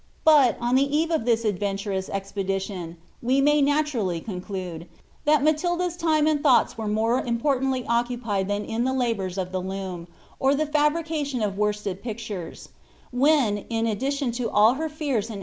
But, on the eve of ihii adventuroui expfilition, we may oHlurally conclude, that Matilda's time aud thought* were more importantly occupied than in the labours of the loom, or the Ikbticaiion of wonted pictures; when, in addition to all her feara uid